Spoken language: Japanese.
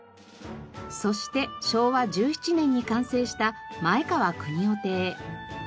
そして昭和１７年に完成した前川國男邸。